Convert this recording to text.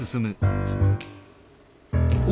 お！